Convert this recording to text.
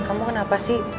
kamu kenapa sih